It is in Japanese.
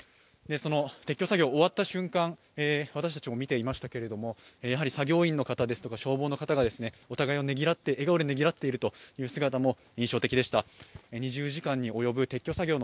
撤去作業が終わった瞬間、私たちも見ていましたけれども、作業員の方、消防の方がお互いを笑顔でねぎらっているという姿が印象的でした。